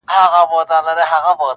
چي تر كلكو كاڼو غاښ يې وي ايستلى!!